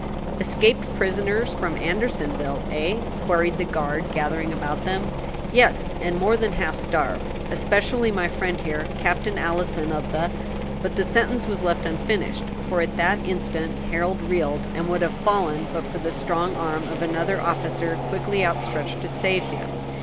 "Escaped prisoners from Andersonville, eh?" queried the guard gathering about them. "Yes; and more than half starved; especially my friend here, Captain Allison of the " But the sentence was left unfinished; for at that instant Harold reeled, and would have fallen but for the strong arm of another officer quickly outstretched to save him.